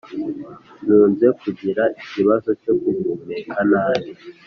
Nkunze kugira ikibazo cyo guhumeka nabi